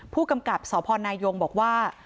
ผู้กำกับสพนายงบอกว่า